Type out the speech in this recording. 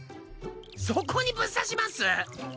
そこにぶっさします？